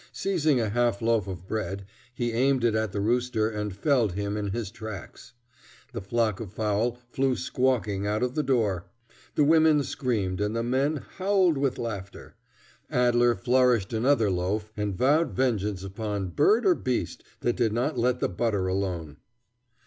Seizing a half loaf of bread, he aimed it at the rooster and felled him in his tracks. The flock of fowl flew squawking out of the door. The women screamed, and the men howled with laughter. Adler flourished another loaf and vowed vengeance upon bird or beast that did not let the butter alone.